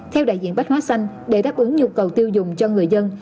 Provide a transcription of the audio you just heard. theo đại diện bách hóa xanh để đáp ứng nhu cầu tiêu dùng cho người dân